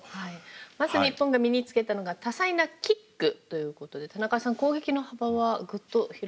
まず日本が身につけたのが多彩なキックということで田中さん攻撃の幅はグッと広がったんでしょうか？